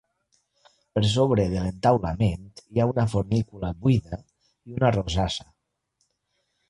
Per sobre de l'entaulament hi ha una fornícula buida i una rosassa.